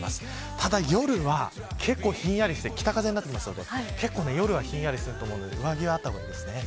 ただ夜は結構ひんやりして北風になってくるので夜はひんやりすると思うので上着はあった方がいいと思います。